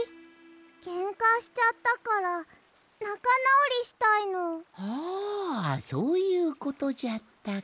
ケンカしちゃったからなかなおりしたいの。はあそういうことじゃったか。